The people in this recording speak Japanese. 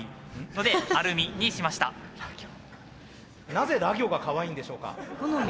なぜら行がかわいいんでしょうか。